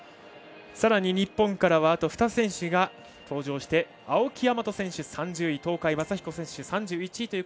さらに日本からはあと２選手が登場して青木大和選手、３０位東海将彦選手、３１位。